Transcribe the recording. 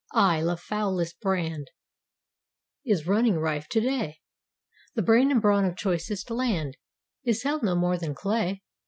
Aye, of foulest brand Is running rife today; The brain and brawn of choicest land Is held no more than clay.